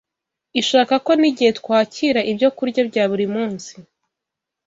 Ishaka ko n’igihe twakira ibyokurya bya buri munsi